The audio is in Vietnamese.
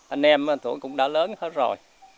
anh em tuổi cũng đã lớn hết rồi